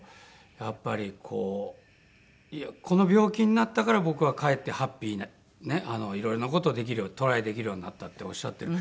やっぱりこうこの病気になったから僕はかえってハッピーいろいろな事ができるようにトライできるようになったっておっしゃって。